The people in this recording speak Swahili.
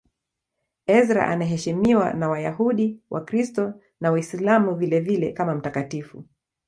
Ezra anaheshimiwa na Wayahudi, Wakristo na Waislamu vilevile kama mtakatifu.